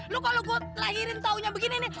lu kalo gua lahirin taunya begini nih